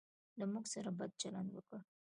له موږ سره بد چلند وکړ.